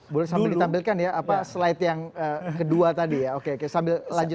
boleh sambil ditampilkan ya apa slide yang kedua tadi ya oke oke sambil lanjut